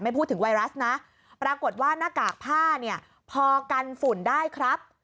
พูดถึงไวรัสนะปรากฏว่าหน้ากากผ้าเนี่ยพอกันฝุ่นได้ครับ